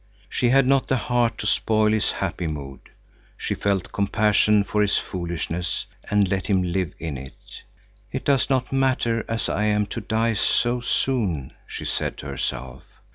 She had not the heart to spoil his happy mood. She felt compassion for his foolishness and let him live in it. "It does not matter, as I am to die so soon," she said to herself.